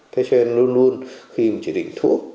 thế cho nên luôn luôn khi mình chỉ định thuốc